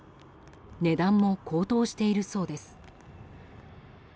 値段も高騰しているそうです。